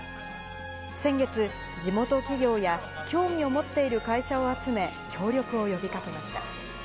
先月、地元企業や興味を持っている会社を集め、協力を呼びかけました。